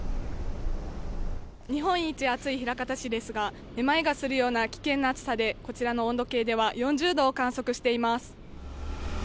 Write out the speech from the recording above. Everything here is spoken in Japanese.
日本一暑い枚方市ですが、めまいがするような危険な暑さで、こちらの温度計では４０度を観測しています。